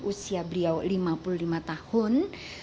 usia beliau lima puluh lima tahun